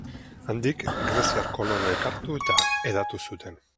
Handik greziar kolonoek hartu eta hedatu zuten.